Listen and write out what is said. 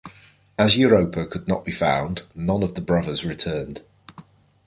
As Europa could not be found, none of the brothers returned.